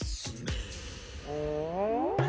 うん？